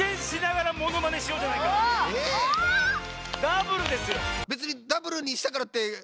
⁉ダブルですよ。